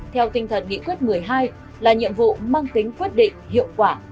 theo tinh thần nghị quyết một mươi hai là nhiệm vụ mang tính quyết định hiệu quả của công tác này